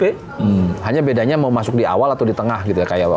hanya bedanya mau masuk di awal atau di tengah gitu ya